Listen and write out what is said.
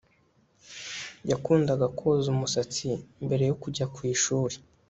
Yakundaga koza umusatsi mbere yo kujya ku ishuri